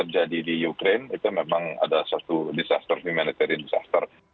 jadi di ukraine itu memang adalah satu disaster humanitarian disaster